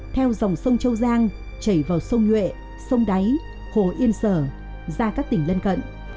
theo dòng sông châu giang chảy vào sông nhuệ sông đáy hồ yên sở ra các tỉnh lân cận